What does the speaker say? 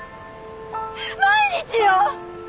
毎日よ！